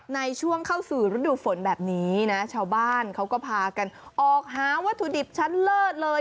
ในช่วงเข้าสู่ฤดูฝนแบบนี้นะชาวบ้านเขาก็พากันออกหาวัตถุดิบชั้นเลิศเลย